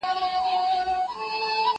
زه له سهاره د سبا لپاره د يادښتونه بشپړوم